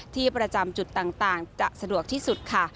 ที่ประจำจุดต่างจะสะดวกที่สุดค่ะ